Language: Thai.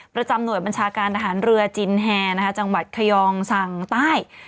ประจำหน่วยบัญชาการทหารเรือจินแฮจังหวัดขยองสังใต้